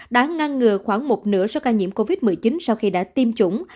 đã ngăn ngừa khoảng một nửa số ca nhiễm covid một mươi chín sau khi đã tiêm chủng